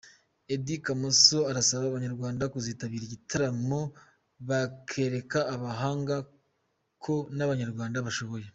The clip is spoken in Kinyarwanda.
Eddy Kamoso arasaba abanyarwanda kuzitabira igitaramo bakereka amahanga ko n'abanyarwanda bashoboye.